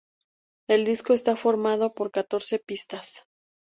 El disco está formado por catorce pistas.